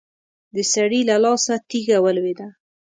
د سړي له لاسه تېږه ولوېده.